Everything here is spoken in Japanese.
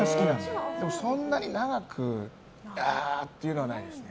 そんなに長くああっていうのはないですね。